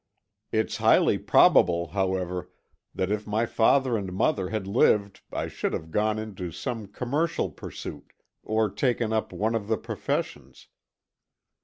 It's highly probable, however, that if my father and mother had lived I should have gone into some commercial pursuit or taken up one of the professions.